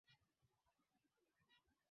Akamtoa Yesu mwana mpendwa